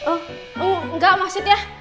oh enggak maksudnya